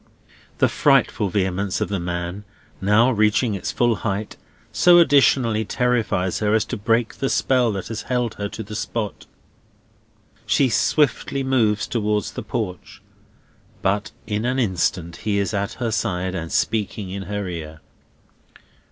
The frightful vehemence of the man, now reaching its full height, so additionally terrifies her as to break the spell that has held her to the spot. She swiftly moves towards the porch; but in an instant he is at her side, and speaking in her ear.